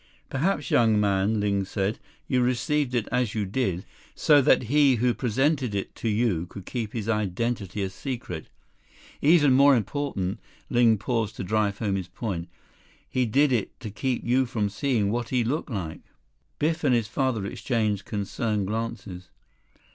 "Perhaps, young man," Ling said, "you received it as you did, so that he who presented it to you could keep his identity a secret. Even more important"—Ling paused to drive home his point—"he did it to keep you from seeing what he looked like." 15 Biff and his father exchanged concerned glances.